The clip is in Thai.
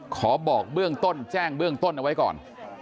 บอกเบื้องต้นแจ้งเบื้องต้นเอาไว้ก่อน